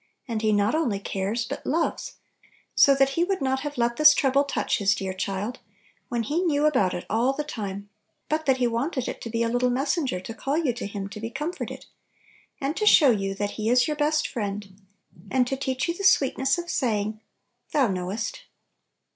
And He not only cares, but loves, so that He would not have let this trouble touch His dear child, — wher He knew about it all the time, — but that He wanted it to be a little messenger to call you to Him to be comforted, and to show you that He is your best Friend, and to teach you the sweetness of saying, "Thou knowest